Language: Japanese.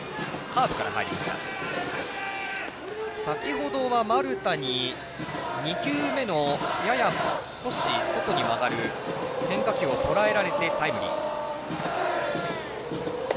先ほどは丸田に２球目のやや少し外に曲がる変化球をとらえられてタイムリー。